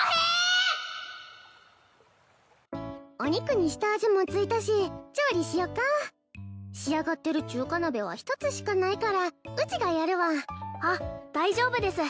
お肉に下味もついたし調理しよか仕上がってる中華鍋は一つしかないからうちがやるわあっ大丈夫です